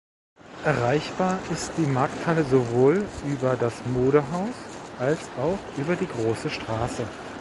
Erreichbar ist die Markthalle sowohl über das Modehaus, als auch über die Große Straße.